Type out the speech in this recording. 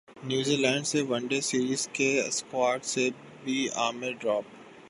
نیوزی Zealand one day series کے squad سے بھی عامر ڈراپ